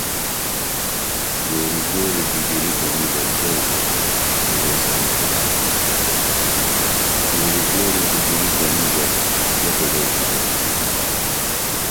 گوری گوری ڈِیگری بنی بہ کیہ بلو زان ڇمئیم